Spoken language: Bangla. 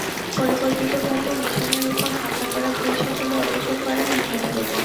পরিকল্পিতভাবে মিজানের ওপর হামলা করা হয়েছে বলে অভিযোগ করেন হামিদা বেগম।